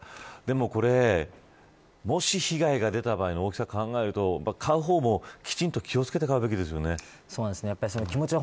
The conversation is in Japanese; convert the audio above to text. でも、これもし被害が出た場合の大きさを考えると、買う方もきちんと気を付けて買うべきですよね。